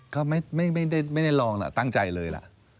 ก็ไม่ได้ลองตั้งใจเลยล่ะ